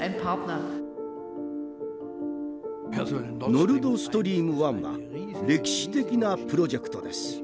ノルドストリーム１は歴史的なプロジェクトです。